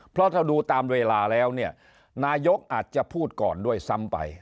เพราะถ้าดูตามเวลาแล้วเนี่ยนายกอาจจะพูดก่อนด้วยซ้ำไป